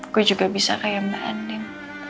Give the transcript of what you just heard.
gue juga bisa kayak mbak andin